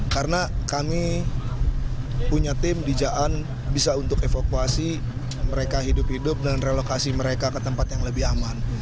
karena kami punya tim dijaan bisa untuk evakuasi mereka hidup hidup dan relokasi mereka ke tempat yang lebih aman